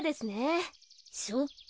そっか。